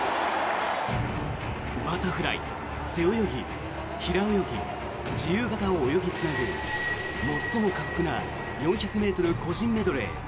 バタフライ、背泳ぎ平泳ぎ、自由形を泳ぎつなぐ最も過酷な４００ｍ個人メドレー。